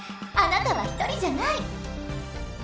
あなたは１人じゃない！